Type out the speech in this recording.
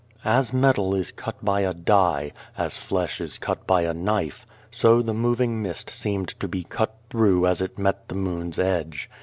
As metal is cut by a die, as flesh is cut by a knife, so the moving mist seemed to be cut through as it met the moon's edge.